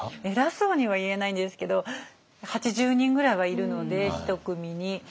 偉そうには言えないんですけど８０人ぐらいはいるので１組に。